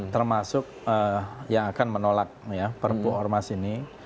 termasuk yang akan menolak perpu ormas ini